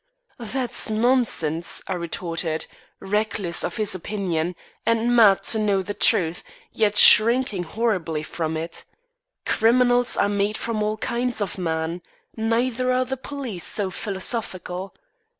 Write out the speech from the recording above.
"That's nonsense," I retorted, reckless of his opinion, and mad to know the truth, yet shrinking horribly from it. "Criminals are made from all kinds of men; neither are the police so philosophical.